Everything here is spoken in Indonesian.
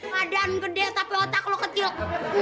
kedatang gede tapi otak lo kecil